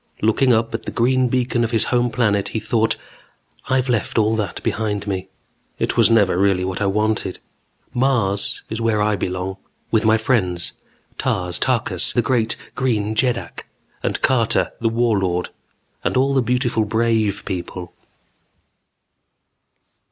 Looking up at the green beacon of his home planet, he thought: I've left all that behind me. It was never really what I wanted. Mars is where I belong. With my friends, Tars Tarkas the great Green Jeddak, and Carter, the Warlord, and all the beautiful brave people.